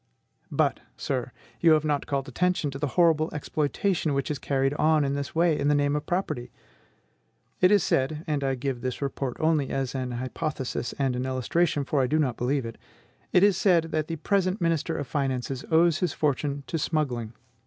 But, sir, you have not called attention to the horrible exploitation which is carried on in this way in the name of property. It is said, and I give this report only as an hypothesis and an illustration, for I do not believe it, it is said that the present minister of finances owes his fortune to smuggling.